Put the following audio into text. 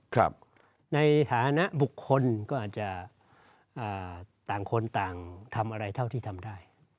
ครับในฐานะบุคคลก็อาจจะต่างคนต่างทำอะไรเท่าที่ทำได้